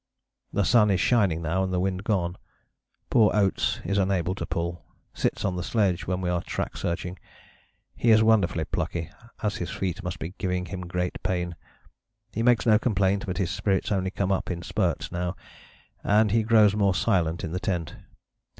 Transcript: The sun is shining now and the wind gone. Poor Oates is unable to pull, sits on the sledge when we are track searching he is wonderfully plucky, as his feet must be giving him great pain. He makes no complaint, but his spirits only come up in spurts now, and he grows more silent in the tent.